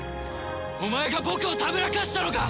お前が僕をたぶらかしたのか！？